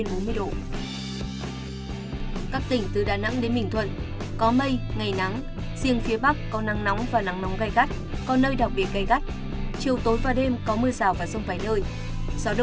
nhiệt độ thấp nhất từ hai mươi năm đến hai mươi tám độ